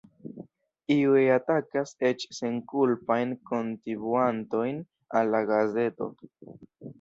Iuj atakas eĉ senkulpajn kontibuantojn al la gazeto.